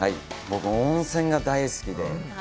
温泉が大好きで。